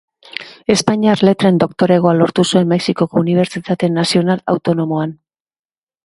Espainiar letren doktoregoa lortu zuen Mexikoko Unibertsitate Nazional Autonomoan.